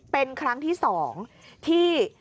เป็นครั้งที่๒ที่